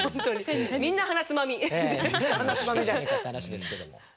みんなはなつまみじゃないかって話ですけども。